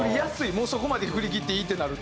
もうそこまで振り切っていいってなると。